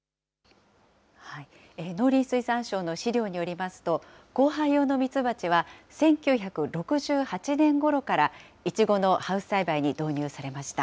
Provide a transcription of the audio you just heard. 農林水産省の資料によりますと、交配用のミツバチは１９６８年ごろから、いちごのハウス栽培に導入されました。